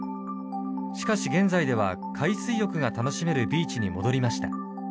しかし、現在では海水浴が楽しめるビーチに戻りました。